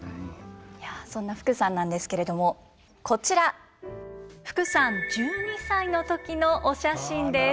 そんな福さんなんですけれどもこちら福さん１２歳の時のお写真です。